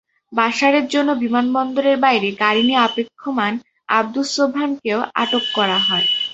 বাশারের জন্য বিমানবন্দরের বাইরে গাড়ি নিয়ে অপেক্ষমাণ আবদুস সোবহানকেও আটক করা হয়।